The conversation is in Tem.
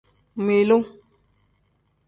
Milu.